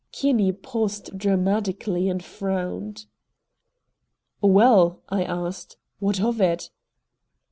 '" Kinney paused dramatically and frowned. "Well," I asked, "what of it?"